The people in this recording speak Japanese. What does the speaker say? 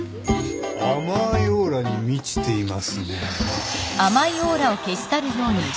甘いオーラに満ちていますね。